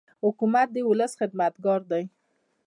حکومت د ولس خدمتګار دی.